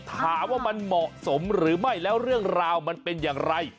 ถามว่ามันเหมาะสมหรือไม่แล้วเรื่องราวมันเป็นอย่างไร